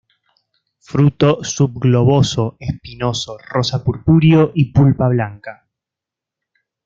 Fruto subgloboso, espinoso, rosa-purpúreo y pulpa blanca.